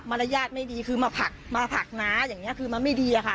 ไม่ดีคือมาผักมาผักน้าอย่างเนี้ยคือมันไม่ดีอะค่ะค่ะ